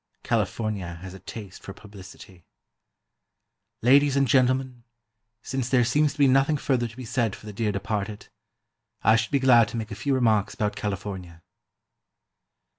California has a taste for publicity: "Ladies and gentlemen, since there seems to be nothing further to be said for the Dear Departed, I should be glad to make a few remarks about California."